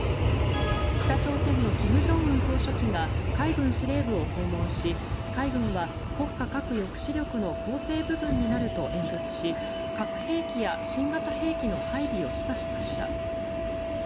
北朝鮮の金正恩総書記が海軍司令部を訪問し海軍は国家核抑止力の構成部分になると演説し核兵器や新型兵器の配備を示唆しました。